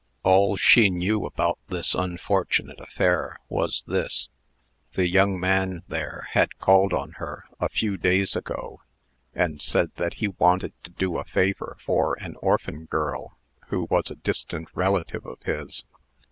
All she knew about this unfortunate affair, was this: The young man, there, had called on her, a few days ago, and said that he wanted to do a favor for an orphan girl, who was a distant relative of his.